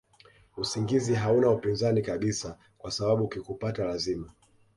usingizi hauna upinzani kabisa kwasababu ukikupata lazima